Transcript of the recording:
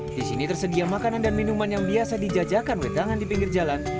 di sini tersedia makanan dan minuman yang biasa dijajakan wedangan di pinggir jalan